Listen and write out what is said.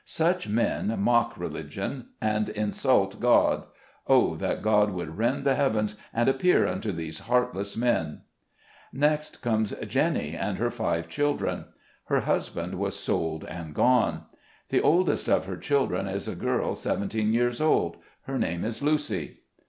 Such men mock religion and insult God. Oh, that God would rend the heav ens and appear unto these heartless men ! Next comes Jenny and her five children. Her husband was sold and gone. The oldest of her chil dren is a girl seventeen years old — her name, Lucy.